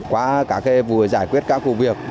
qua các vụ giải quyết các vụ việc